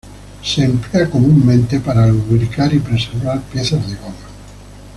Es comúnmente empleada para lubricar y preservar piezas de goma.